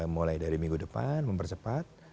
mulai dari minggu depan mempercepat